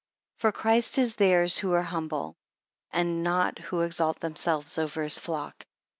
FOR Christ is theirs who are humble, and not who exalt themselves over his flock.